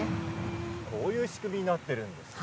こういう仕組みになっているんですね。